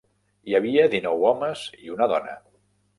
Hi havia dinou homes i una dona.